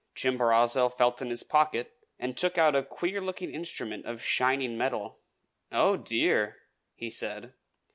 Chimborazo felt in his pocket, and took out a queer looking instrument of shining metal. "Oh, dear!" he said.